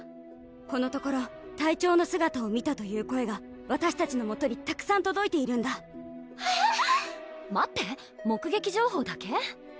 このところ「隊長の姿を見た」という声がわたしたちのもとにたくさんとどいているんだ待って目撃情報だけ？